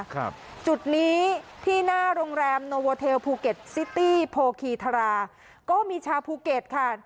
ครับจุดนี้ที่หน้าโรงแรมโนโวเทลภูเก็ตซิตี้โพคีธาราก็มีชาวภูเก็ตค่ะ